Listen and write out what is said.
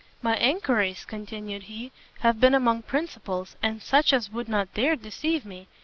"My enquiries," continued he, "have been among principals, and such as would not dare deceive me.